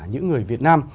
những người việt nam